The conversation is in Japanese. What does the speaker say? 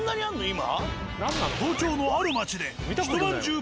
今。